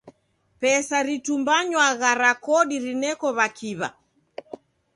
Pesa ritumbanywagha ra kodi rineko w'akiw'a.